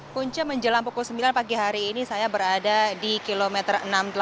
punca menjelang pukul sembilan pagi hari ini saya berada di kilometer enam puluh delapan